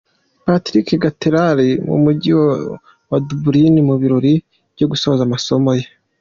Patricks Cathedral mu Mujyi wa Dublin mu birori byo gusoza amasomo ye.